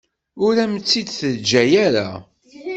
Ur am-tt-id-teǧǧa ara.